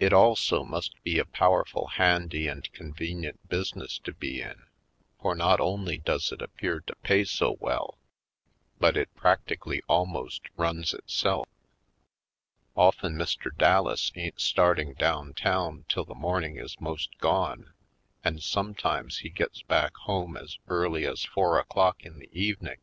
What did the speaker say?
It also must be a powerful handy and convenient business to be in, for not only does it appear to pay so well, but it prac tically alm.ost runs itself. Often Mr. Dal las ain't starting down town till the morn ing is 'most gone, and sometimes he gets back home as early as four o'clock in the evening.